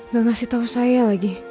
gak ngasih tau saya lagi